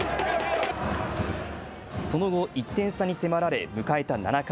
その後、１点差に迫られ迎えた７回。